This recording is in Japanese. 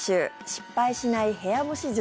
失敗しない部屋干し術。